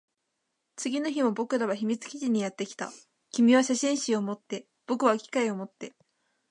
次の日も僕らは秘密基地にやってきた。君は写真集を持って、僕は機械を持って。